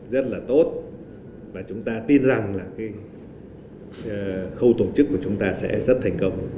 rất là tốt và chúng ta tin rằng là khâu tổ chức của chúng ta sẽ rất thành công